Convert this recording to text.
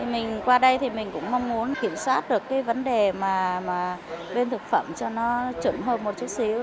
mình qua đây thì mình cũng mong muốn kiểm soát được cái vấn đề mà bên thực phẩm cho nó trưởng hợp một chút xíu